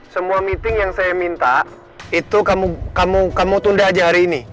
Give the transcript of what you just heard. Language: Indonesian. semua meeting yang saya minta itu kamu tunda aja hari ini